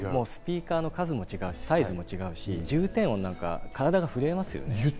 スピーカーの数も違うし、サイズも違うし、重低音とか体が震えますよね。